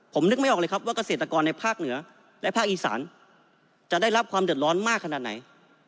ผมนึกไม่ออกเลยครับว่าเกษตรกรในภาคเหนือและภาคอีสานจะได้รับความเดือดร้อนมากขนาดไหน